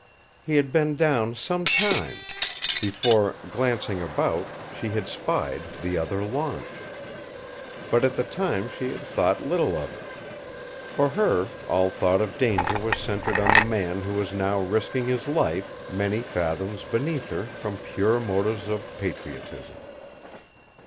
He had been down some time before, glancing about, she had spied the other launch. But at the time she had thought little of it. For her, all thought of danger was centered on the man who was now risking his life many fathoms beneath her from pure motives of patriotism.